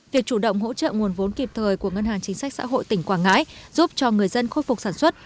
việc chủ động hỗ trợ nguồn vốn kịp thời của ngân hàng chính sách xã hội tỉnh quảng ngãi giúp cho người dân khôi phục sản xuất